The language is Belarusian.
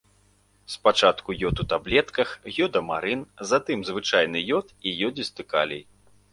Спачатку ёд ў таблетках, ёдамарын, затым звычайны ёд і ёдзісты калій.